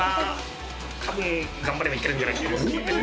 たぶん、頑張ればいけるんじゃないかと思って。